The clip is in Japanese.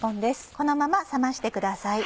このまま冷ましてください。